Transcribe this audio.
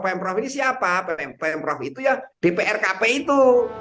pemprov ini siapa pemprov itu ya dprkp itu